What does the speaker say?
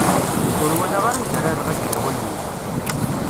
Ur walaɣ ara anda ara rreɣ aglaway-inu.